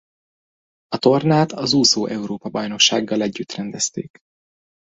A tornát az úszó-Európa-bajnoksággal együtt rendezték.